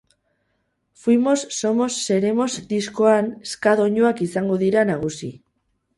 Fuimos, somos, seremos diskoan ska doinuak izango dira nagusi.